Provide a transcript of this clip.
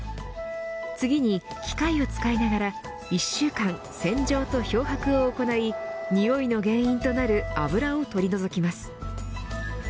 次に、機械を使いながら１週間洗浄と漂白を行いにおいの原因となる油を取り除きます。